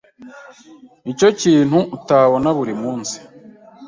Nicyo kintu utabona buri munsi.